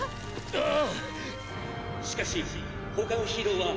ああ。